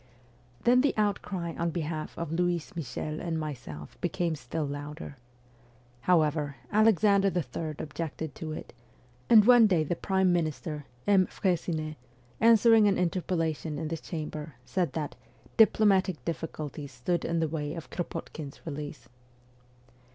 Then the outcry on behalf of Louise Michel and myself became still louder. However, Alexander III. objected to it ; and one day the prime minister, M. Freycinet, answering an interpellation in the Chamber, said that ' diplomatic difficulties stood in the way of Kropotkin's release.'